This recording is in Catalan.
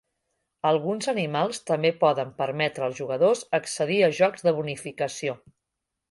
Alguns animals també poden permetre als jugadors accedir a jocs de bonificació.